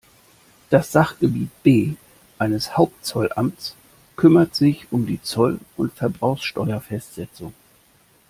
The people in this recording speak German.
Das Sachgebiet B eines Hauptzollamts kümmert sich um die Zoll- und Verbrauchsteuerfestsetzung.